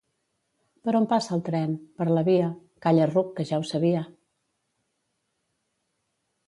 —Per on passa el tren? —Per la via. —Calla, ruc. que ja ho sabia.